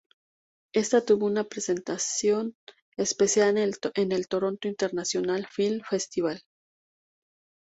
Esta tuvo una presentación especial en el Toronto International Film Festival.